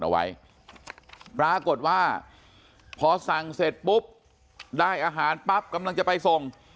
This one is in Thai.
เอาไว้ปรากฏว่าพอสั่งเสร็จปุ๊บได้อาหารปั๊บกำลังจะไปส่ง